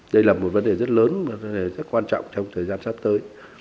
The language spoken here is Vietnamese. đây là một vấn đề rất lớn và rất quan trọng theo thời gian sắp tới